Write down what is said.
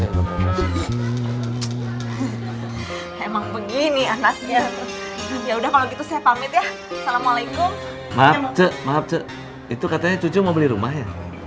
emang begini anaknya ya udah kalau gitu saya pamit ya assalamualaikum maaf itu katanya cucu mau beli rumah ya